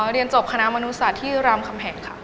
เรียนจบคณะมนุษย์รามคำแห่ง